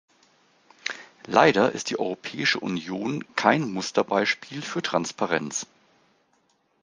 Leider ist die Europäische Union kein Musterbeispiel für Transparenz.